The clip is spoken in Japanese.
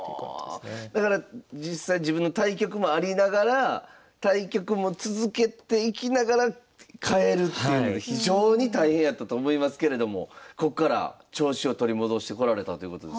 だから実際自分の対局もありながら対局も続けていきながら変えるっていうのは非常に大変やったと思いますけれどもこっから調子を取り戻してこられたということですね。